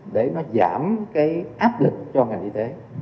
để nó giảm cái áp lực cho ngành y tế